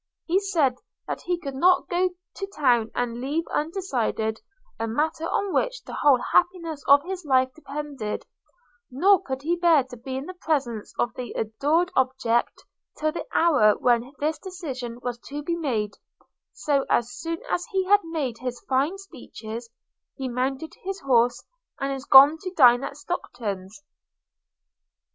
He said that he could not go to town and leave undecided a matter on which the whole happiness of his life depended: nor could he bear to be in the presence of the adored object, till the hour when this decision was to be made: so as soon as he had made his fine speeches, he mounted his horse, and is gone to dine at Stockton's.'